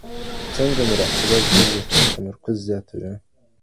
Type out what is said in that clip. څنګه مراقبه زموږ ذهني تمرکز زیاتوي؟